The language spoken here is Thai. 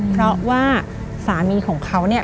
เพราะว่าสามีของเขาเนี่ย